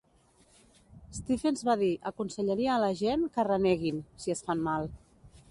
Stephens va dir "aconsellaria a la gent que reneguin, si es fan mal".